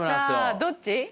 さあどっち？